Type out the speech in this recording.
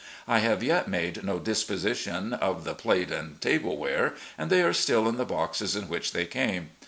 I have yet made no disposition of the plate and tableware, and they are still in the boxes in which they came.